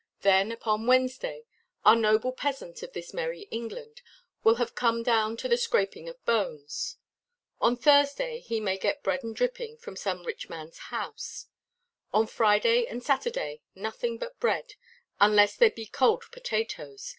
Then upon Wednesday our noble peasant of this merry England will have come down to the scraping of bones; on Thursday he may get bread and dripping from some rich manʼs house; on Friday and Saturday nothing but bread, unless there be cold potatoes.